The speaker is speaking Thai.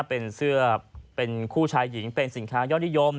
เป็นเสื้อเป็นคู่ชายหญิงเป็นสินค้ายอดนิยม